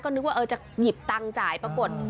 ก็นึกว่าจะหยิบตังจ่ายประกวด